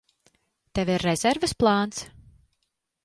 Tev ir rezerves plāns?